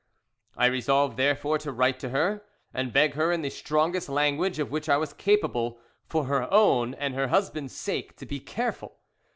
"I resolved therefore to write to her, and beg her in the strongest language of which I was capable, for her own and her husband's sake, to be careful.